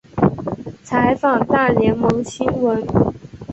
采访大联盟新闻。